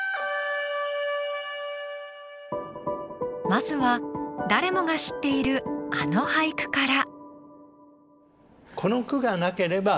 まずは誰もが知っているあの俳句から。